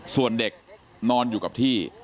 ส่วนเด็กนอนอยู่กับที่